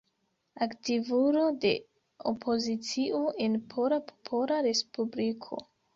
Aktivulo de opozicio en Pola Popola Respubliko.